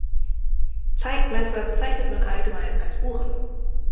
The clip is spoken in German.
Zeitmesser bezeichnet man allgemein als Uhren.